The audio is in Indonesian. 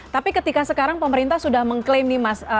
tapi ketika sekarang pemerintah sudah mengklaim nih mas